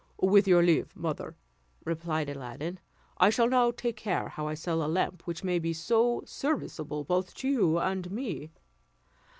"With your leave, mother," replied Aladdin, "I shall now take care how I sell a lamp which may be so serviceable both to you and me.